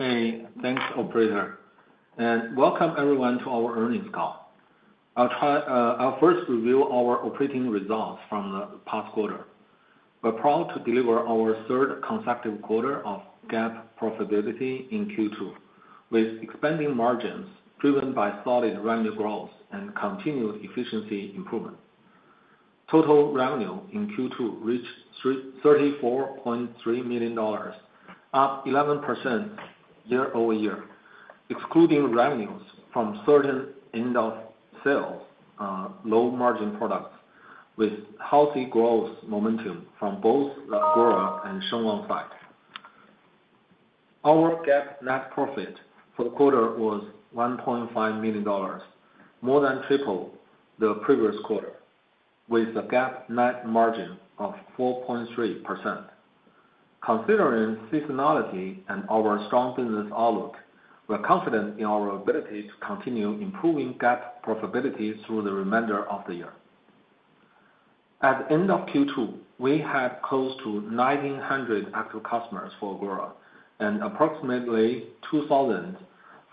Hey, thanks, operator. Welcome, everyone, to our earnings call. I'll first review our operating results from the past quarter. We're proud to deliver our third consecutive quarter of GAAP profitability in Q2, with expanding margins driven by solid revenue growth and continued efficiency improvement. Total revenue in Q2 reached $34.3 million, up 11% year over year, excluding revenues from certain in-house sales, low-margin products, with healthy growth momentum from both the Agora and Zhengwang sides. Our GAAP net profit for the quarter was $1.5 million, more than triple the previous quarter, with a GAAP net margin of 4.3%. Considering seasonality and our strong business outlook, we're confident in our ability to continue improving GAAP profitability through the remainder of the year. At the end of Q2, we had close to 1,900 active customers for Agora and approximately 2,000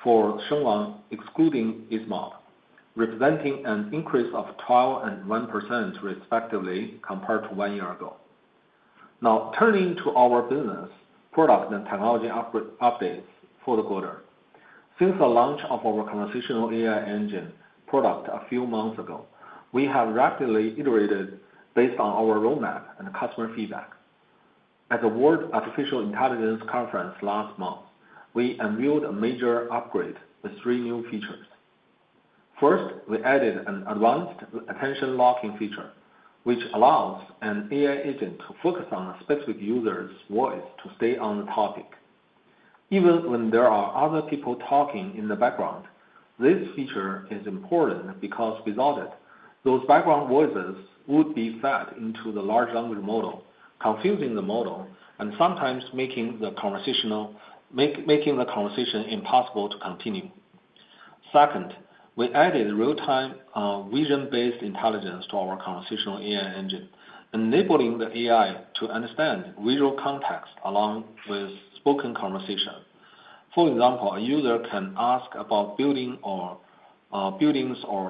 for Zhengwang, excluding Eastmount, representing an increase of 12% and 1% respectively compared to one year ago. Now, turning to our business, product, and technology upgrades for the quarter. Since the launch of our conversational AI engine product a few months ago, we have rapidly iterated based on our roadmap and customer feedback. At the World Artificial Intelligence Conference last month, we unveiled a major upgrade with three new features. First, we added an advanced attention-locking feature, which allows an AI agent to focus on a specific user's voice to stay on the topic. Even when there are other people talking in the background, this feature is important because without it, those background voices would be fed into the large language model, confusing the model, and sometimes making the conversation impossible to continue. Second, we added real-time vision-based intelligence to our conversational AI engine, enabling the AI to understand visual context along with spoken conversation. For example, a user can ask about buildings or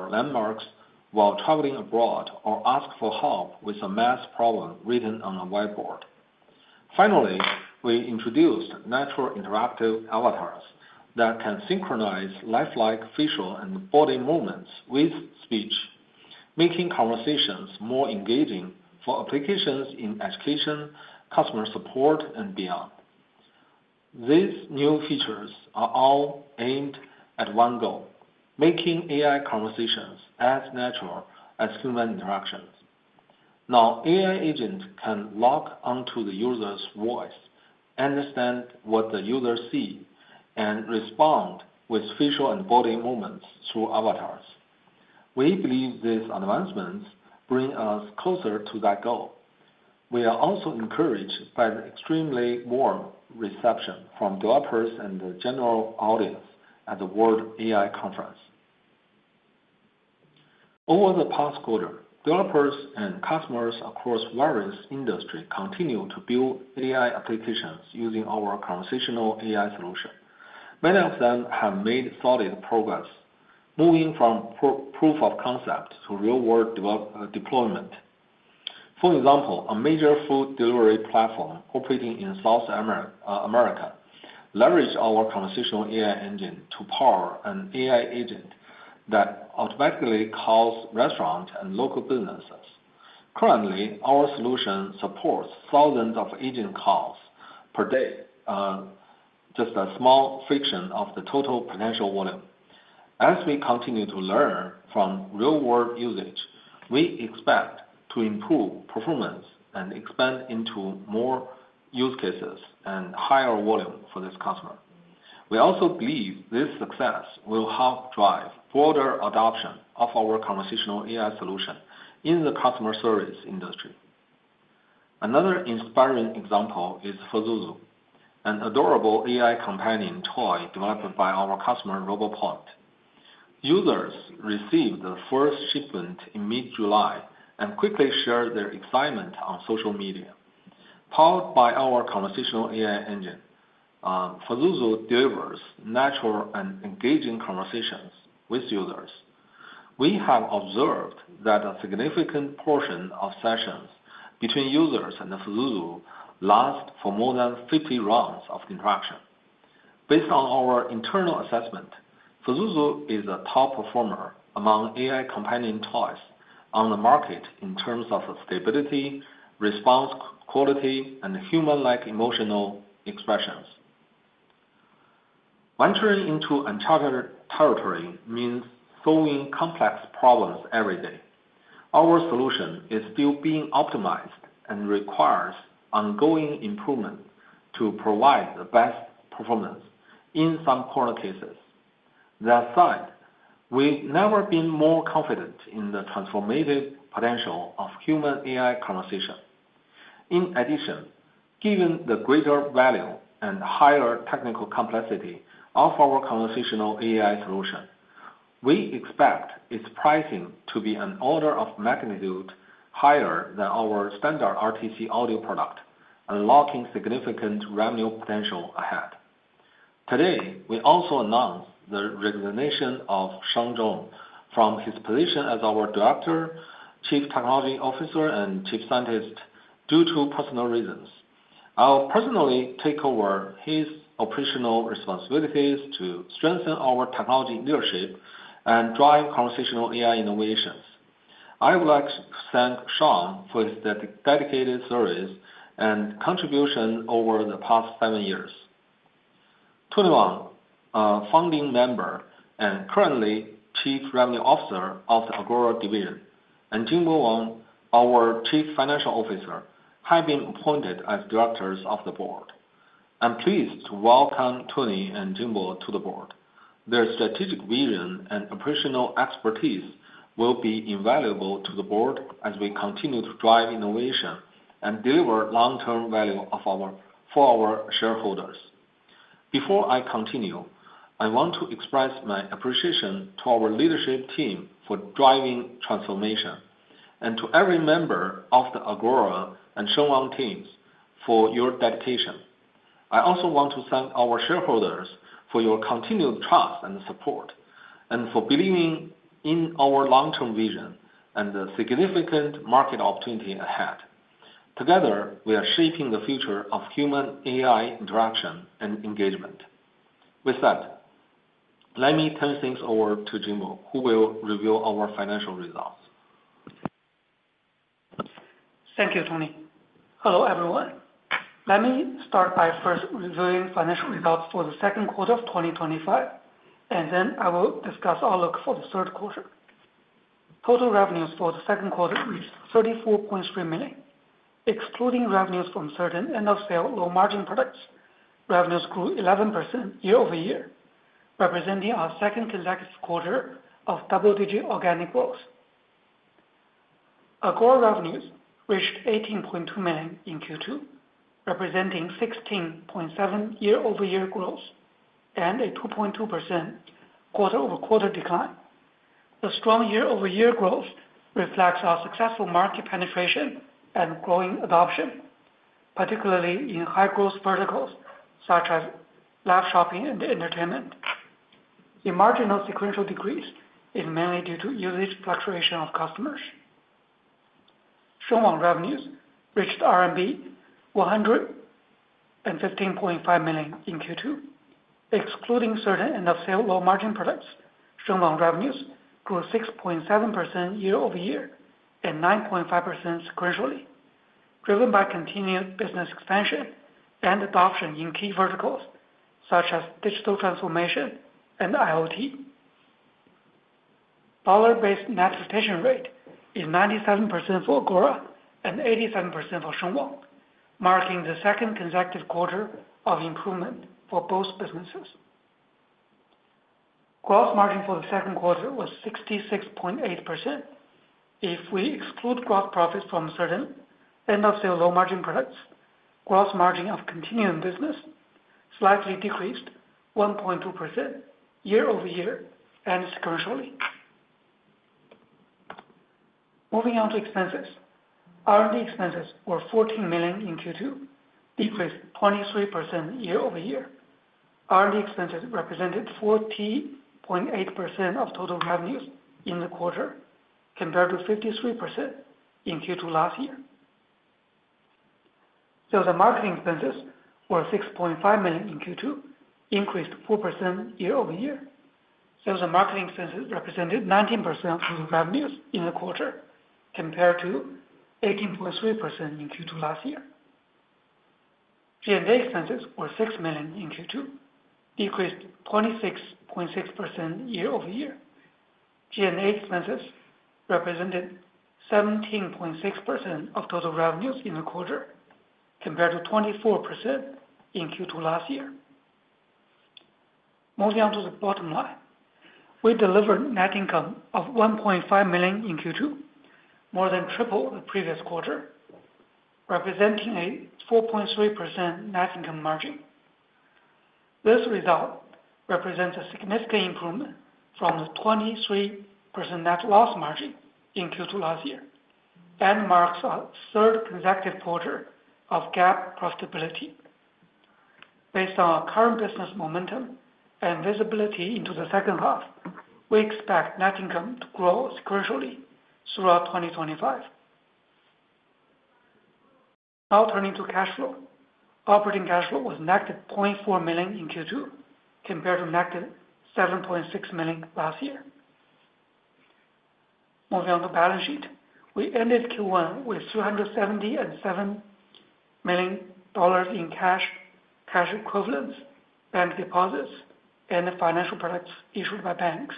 landmarks while traveling abroad or ask for help with a math problem written on a whiteboard. Finally, we introduced natural interactive avatars that can synchronize lifelike facial and body movements with speech, making conversations more engaging for applications in education, customer support, and beyond. These new features are all aimed at one goal: making AI conversations as natural as human interactions. Now, AI agents can lock onto the user's voice, understand what the user sees, and respond with facial and body movements through avatars. We believe these advancements bring us closer to that goal. We are also encouraged by the extremely warm reception from developers and the general audience at the World Artificial Intelligence Conference. Over the past quarter, developers and customers across various industries continue to build AI applications using our conversational AI solution. Many of them have made solid progress, moving from proof of concept to real-world deployment. For example, a major food delivery platform operating in South America leveraged our conversational AI engine to power an AI agent that automatically calls restaurants and local businesses. Currently, our solution supports thousands of agent calls per day, just a small fraction of the total potential volume. As we continue to learn from real-world usage, we expect to improve performance and expand into more use cases and higher volume for this customer. We also believe this success will help drive broader adoption of our conversational AI solution in the customer service industry. Another inspiring example is Fuzuzu, an adorable AI-companion toy developed by our customer, RoboPoint. Users received the first shipment in mid-July and quickly shared their excitement on social media. Powered by our conversational AI engine, Fuzuzu delivers natural and engaging conversations with users. We have observed that a significant portion of sessions between users and Fuzuzu lasts for more than 50 rounds of interaction. Based on our internal assessment, Fuzuzu is a top performer among AI-companion toys on the market in terms of stability, response quality, and human-like emotional expressions. Venturing into uncharted territory means solving complex problems every day. Our solution is still being optimized and requires ongoing improvement to provide the best performance in some corner cases. That said, we've never been more confident in the transformative potential of human-AI conversation. In addition, given the greater value and higher technical complexity of our conversational AI engine, we expect its pricing to be an order of magnitude higher than our standard RTC audio product, unlocking significant revenue potential ahead. Today, we also announced the resignation of Sheng Zhong from his position as our Director, Chief Technology Officer, and Chief Scientist due to personal reasons. I'll personally take over his operational responsibilities to strengthen our technology leadership and drive conversational AI innovations. I would like to thank Sheng Zhog for his dedicated service and contribution over the past seven years. Tony Wang, a Founding member and currently Chief Revenue Officer of the Agora Division, and Jingbo Wang, our Chief Financial Officer, have been appointed as directors of the board. I'm pleased to welcome Tony and Jingbo to the board. Their strategic vision and operational expertise will be invaluable to the board as we continue to drive innovation and deliver long-term value for our shareholders. Before I continue, I want to express my appreciation to our leadership team for driving transformation and to every member of the Agora and Zhengwang teams for your dedication. I also want to thank our shareholders for your continued trust and support and for believing in our long-term vision and the significant market opportunity ahead. Together, we are shaping the future of human-AI interaction and engagement. With that, let me turn things over to Jingbo, who will review our financial results. Thank you, Tony. Hello, everyone. Let me start by first reviewing financial results for the second quarter of 2025, and then I will discuss outlook for the third quarter. Total revenues for the second quarter reached $34.3 million, excluding revenues from certain end-of-sale low-margin products. Revenues grew 11% year-over-year, representing our second consecutive quarter of double-digit organic growth. Agora revenues reached $18.2 million in Q2, representing 16.7% year-over-year growth and a 2.2% quarter-over-quarter decline. The strong year-over-year growth reflects our successful market penetration and growing adoption, particularly in high-growth verticals such as live shopping and entertainment. The marginal sequential decrease is mainly due to the earliest fluctuation of customers. Zhengwang revenues reached RMB 115.5 million in Q2. Excluding certain end-of-sale low-margin products, Zhengwang revenues grew 6.7% year-over-year and 9.5% sequentially, driven by continued business expansion and adoption in key verticals such as digital transformation and IoT. Dollar-based net retention rate is 97% for Agora and 87% for Zhengwang, marking the second consecutive quarter of improvement for both businesses. Gross margin for the second quarter was 66.8%. If we exclude gross profits from certain end-of-sale low-margin products, gross margin of continuing business slightly decreased 1.2% year-over-year and sequentially. Moving on to expenses, R&D expenses were $14 million in Q2, decreased 23% year-over-year. R&D expenses represented 14.8% of total revenues in the quarter, compared to 53% in Q2 last year. Sales and marketing expenses were $6.5 million in Q2, increased 4% year-over-year. Sales and marketing expenses represented 19% of total revenues in the quarter, compared to 18.3% in Q2 last year. G&A expenses were $6 million in Q2, decreased 26.6% year-over-year. G&A expenses represented 17.6% of total revenues in the quarter, compared to 24% in Q2 last year. Moving on to the bottom line, we delivered net income of $1.5 million in Q2, more than triple the previous quarter, representing a 4.3% net income margin. This result represents a significant improvement from the 23% net loss margin in Q2 last year and marks our third consecutive quarter of GAAP profitability. Based on our current business momentum and visibility into the second half, we expect net income to grow sequentially throughout 2025. Now, turning to cash flow, operating cash flow was netted $0.4 million in Q2, compared to netted $7.6 million last year. Moving on to the balance sheet, we ended Q1 with $377 million in cash, cash equivalents, bank deposits, and financial products issued by banks.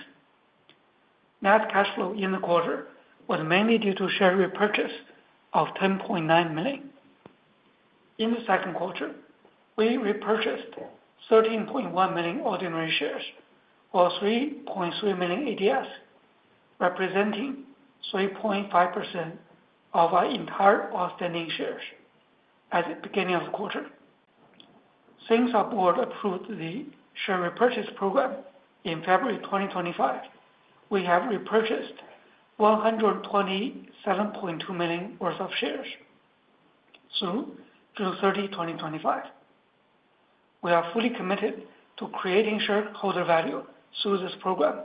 Net cash flow in the quarter was mainly due to share repurchase of $10.9 million. In the second quarter, we repurchased 13.1 million ordinary shares or 3.3 million ETFs, representing 3.5% of our entire outstanding shares at the beginning of the quarter. Since our board approved the share repurchase program in February 2025, we have repurchased $127.2 million worth of shares through June 30, 2025. We are fully committed to creating shareholder value through this program.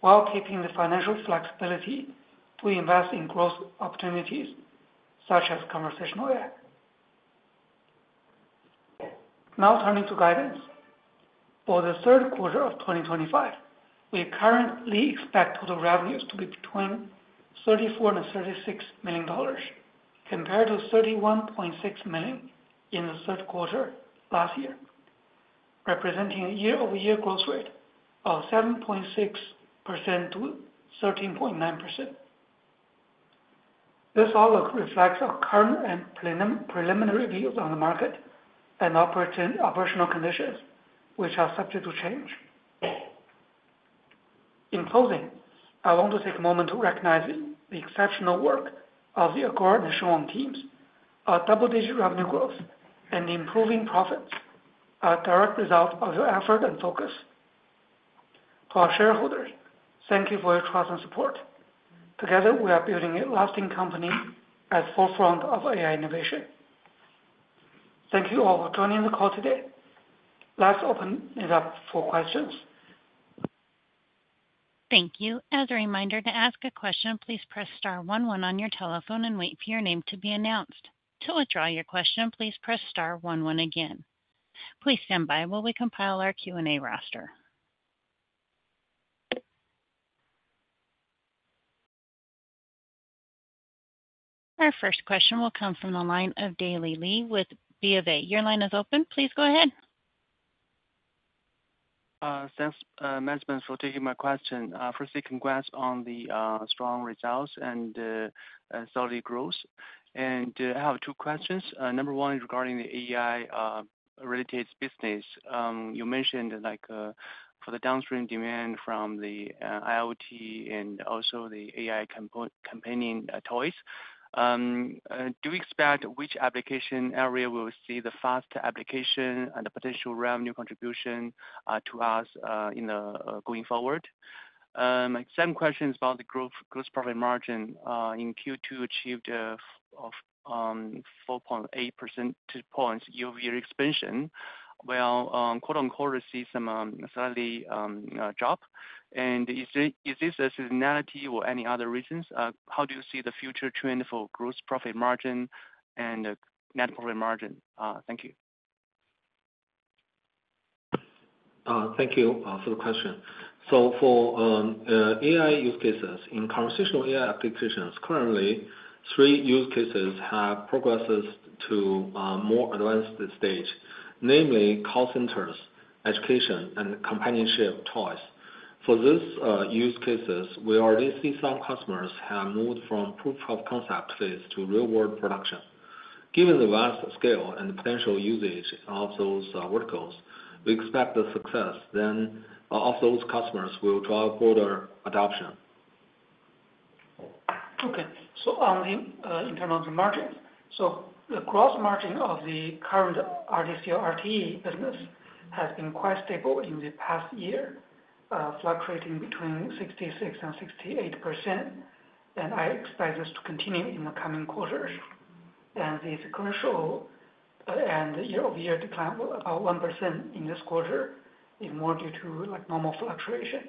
While keeping the financial flexibility, we invest in growth opportunities such as conversational AI. Now, turning to guidance for the third quarter of 2025, we currently expect total revenues to be between $34 miilion and $36 million, compared to $31.6 million in the third quarter last year, representing a year-over-year growth rate of 7.6%-13.9%. This outlook reflects our current and preliminary views on the market and operational conditions, which are subject to change. In closing, I want to take a moment to recognize the exceptional work of the Agora and Zhengwang teams. Our double-digit revenue growth and the improving profits are direct results of your effort and focus. To our shareholders, thank you for your trust and support. Together, we are building a lasting company at the forefront of AI innovation. Thank you all for joining the call today. Let's open it up for questions. Thank you. As a reminder, to ask a question, please press Star, one, one on your telephone and wait for your name to be announced. To withdraw your question, please press Star, one, one again. Please stand by while we compile our Q&A roster. Our first question will come from the line of Daley Li with B of A. Your line is open. Please go ahead. Thanks, management, for taking my question. Firstly, congrats on the strong results and the solid growth. I have two questions. Number one is regarding the AI-related business. You mentioned, like, for the downstream demand from the IoT and also the AI-companion toys, do we expect which application area will see the fast application and the potential revenue contribution to us going forward? My second question is about the gross profit margin. In Q2, we achieved 4.8% points year-over-year expansion. We see some slightly drop. Is this a signality or any other reasons? How do you see the future trend for gross profit margin and net profit margin? Thank you. Thank you for the question. For AI use cases in conversational AI applications, currently, three use cases have progressed to a more advanced stage, namely call centers, education, and companionship toys. For those use cases, we already see some customers have moved from proof of concept phase to real-world production. Given the vast scale and potential usage of those verticals, we expect the success of those customers will drive broader adoption. Okay. I'll review in terms of the margins. The gross margin of the current real-time communication RTC or RTE business has been quite stable in the past year, fluctuating between 66% and 68%. I expect this to continue in the coming quarters. The sequential and year-over-year decline of about 1% in this quarter is more due to normal fluctuation.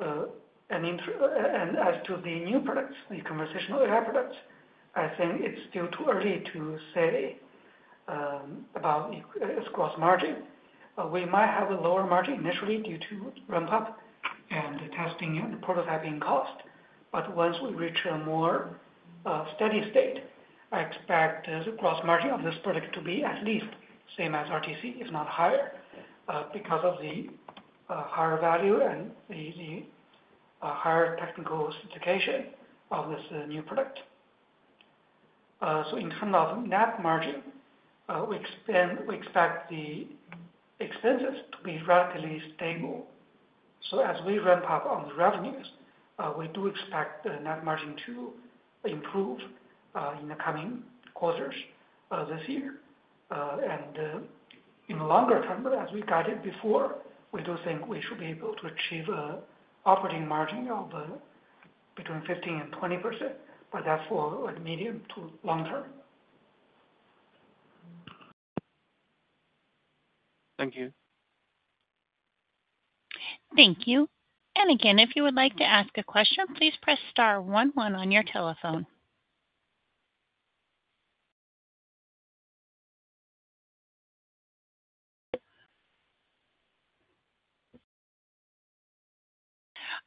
As to the new products, the conversational AI products, I think it's still too early to say about its gross margin. We might have a lower margin initially due to ramp-up and testing and prototyping cost. Once we reach a more steady state, I expect the gross margin of this product to be at least the same as RTC, if not higher, because of the higher value and the higher technical certification of this new product. In terms of net margin, we expect the expenses to be radically stable. As we ramp up on the revenues, we do expect the net margin to improve in the coming quarters this year. In the longer term, as we guided before, we do think we should be able to achieve an operating margin of between 15% and 20%. That's for medium to long term. Thank you. Thank you. If you would like to ask a question, please press star 11 on your telephone.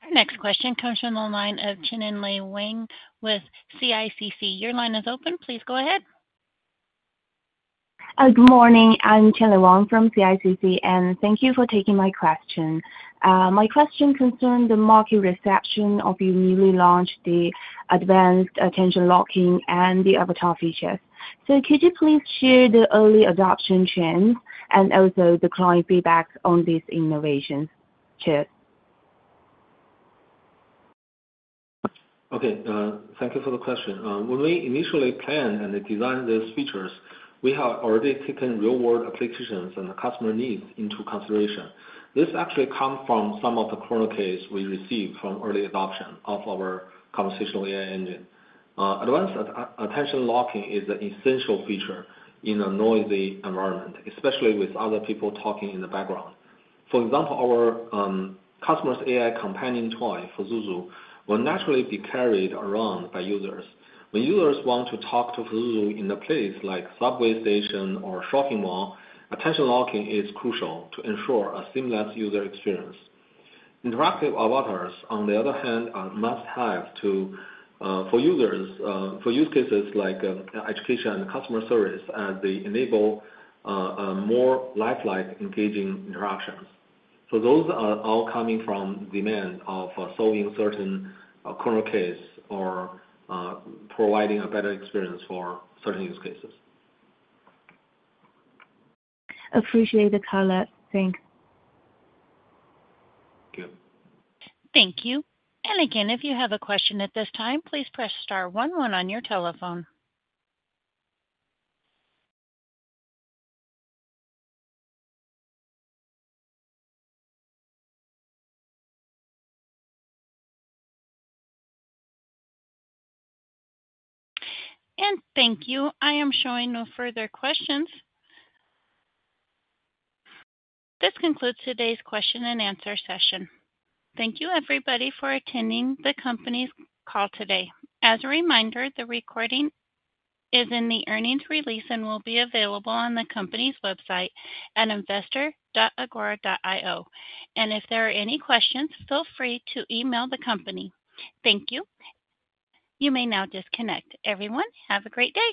Our next question comes from the line of Chenin Lei Wang with CICC. Your line is open. Please go ahead. Good morning. I'm Chenin Lei Wang from CICC, and thank you for taking my question. My question concerns the market reception of the newly launched advanced attention-locking and the avatar features. Could you please share the early adoption trends and also the client feedback on these innovations? Okay. Thank you for the question. When we initially planned and designed these features, we had already taken real-world applications and customer needs into consideration. This actually comes from some of the corner cases we received from early adoption of our conversational AI engine. Advanced attention-locking is the essential feature in a noisy environment, especially with other people talking in the background. For example, our customers' AI-companion toy, Fuzuzu, will naturally be carried around by users. When users want to talk to Fuzuzu in a place like a subway station or shopping mall, attention-locking is crucial to ensure a seamless user experience. Natural interactive avatars, on the other hand, are a must-have for users for use cases like education and customer service as they enable more lifelike, engaging interactions. Those are all coming from the demand of solving certain corner cases or providing a better experience for certain use cases. Appreciate the highlight. Thanks. Thank you. If you have a question at this time, please press Star, one, one on your telephone. Thank you. I am showing no further questions. This concludes today's question and answer session. Thank you, everybody, for attending the company's call today. As a reminder, the recording is in the earnings release and will be available on the company's website at investor.agora.io. If there are any questions, feel free to email the company. Thank you. You may now disconnect. Everyone, have a great day.